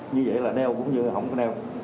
như vậy là đeo cũng như là không có neo